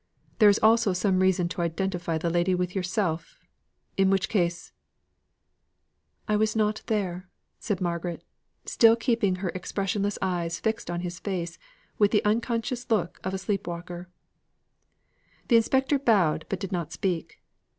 There is also some reason to identify the lady with yourself; in which case " "I was not there," said Margaret, still keeping her expressionless eyes fixed on his face, with the unconscious look of a sleep walker. The inspector bowed but did not speak.